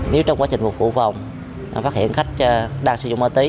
nếu trong quá trình vụ phụ phòng phát hiện khách đang sử dụng ma túy